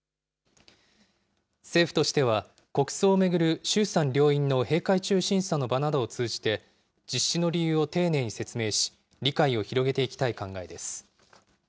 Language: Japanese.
政府としては、国葬を巡る衆参両院の閉会中審査の場などを通じて、実施の理由を丁寧に説明し、理解を広げていきたい考えです。